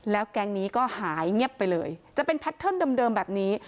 แล้วแก๊งนี้ก็หายเงียบไปเลยจะเป็นแพทเทิร์นเดิมแบบนี้